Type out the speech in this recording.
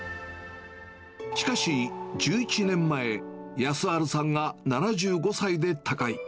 しかし、１１年前、康晴さんが７５歳で他界。